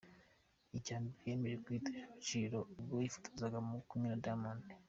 Icya mbere yemeye kwitesha agaciro ubwo yifotozaga ari kumwe na Diamond.